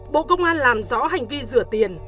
bộ công an làm rõ hành vi rửa tiền